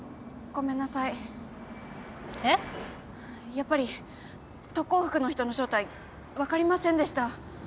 やっぱり特攻服の人の正体分かりませんでした。